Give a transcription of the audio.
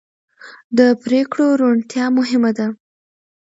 د پرېکړو روڼتیا مهمه ده